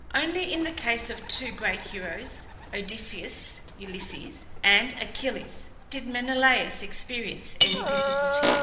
Only in the case of two great heroes, Odysseus (Ulysses) and Achilles, did Menelaus experience any difficulty.